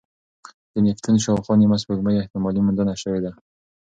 د نیپتون شاوخوا نیمه سپوږمۍ احتمالي موندنه شوې ده.